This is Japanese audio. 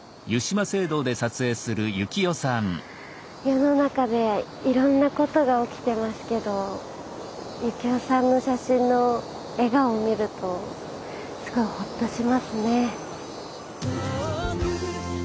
世の中でいろんなことが起きてますけどゆきよさんの写真の笑顔を見るとすごいホッとしますね。